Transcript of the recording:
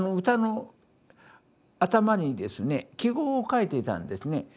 歌の頭にですね記号をかいていたんですね。